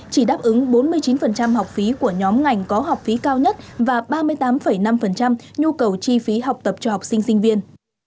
chỉ đáp ứng bốn mươi chín học phí của nhóm ngành có học phí cao nhất và ba mươi tám năm nhu cầu chi phí học tập cho học sinh sinh viên